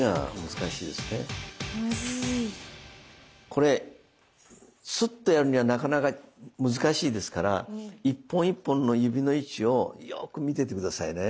これスッとやるにはなかなか難しいですから一本一本の指の位置をよく見てて下さいね。